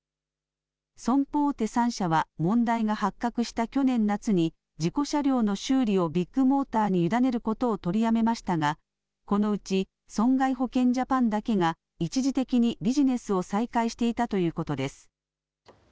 損保大手３社は問題が発覚した去年夏に事故車両の修理をビッグモーターに委ねることを取りやめましたが、このうち損害保険ジャパンだけが一時的にビジネスを再開していたということです。